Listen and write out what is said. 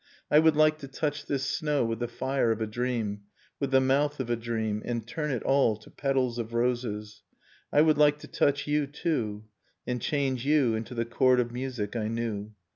I would like to touch this snow with the fire of a dream, With the mouth of a dream. And turn it all To petals of roses ... I would like to touch you, too. And change you into the chord of music I knew.